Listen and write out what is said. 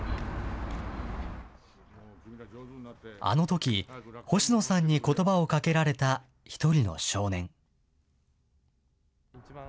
あのとき、星野さんにことばをかけられた１人の少年。